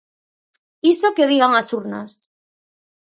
Iso que o digan as urnas.